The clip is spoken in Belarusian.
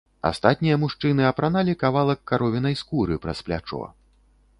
Астатнія мужчыны апраналі кавалак каровінай скуры праз плячо.